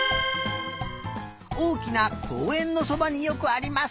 おおきなこうえんのそばによくあります。